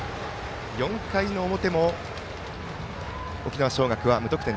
４回の表も沖縄尚学は無得点。